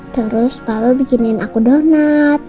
terus tau bikinin aku donat